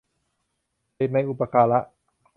เด็กในอุปการะ